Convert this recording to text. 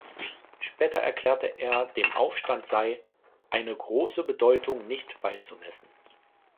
Später erklärte er, dem Aufstand sei „eine große Bedeutung nicht beizumessen“.